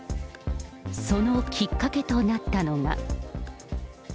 そのきっかけとなったのが。